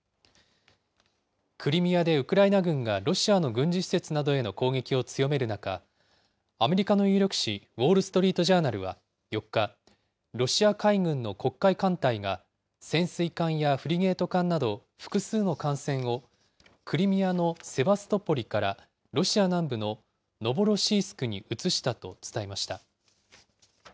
クリミアでウクライナ軍がロシアの軍事施設などへの攻撃を強める中、アメリカの有力紙、ウォール・ストリート・ジャーナルは４日、ロシア海軍の黒海艦隊が潜水艦やフリゲート艦など、複数の艦船をクリミアのセバストポリからロシア南部のノボロシースクに移したと伝えました。